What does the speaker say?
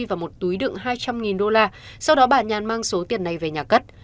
và một túi đựng hai trăm linh đô la sau đó bà nhàn mang số tiền này về nhà cất